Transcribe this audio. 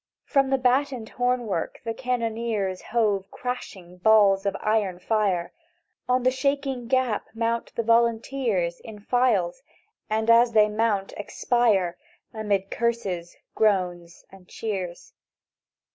"From the battened hornwork the cannoneers Hove crashing balls of iron fire; On the shaking gap mount the volunteers In files, and as they mount expire Amid curses, groans, and cheers.